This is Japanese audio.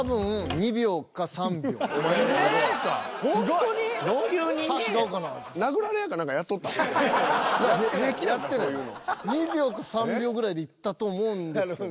２秒か３秒ぐらいでいったと思うんですけど。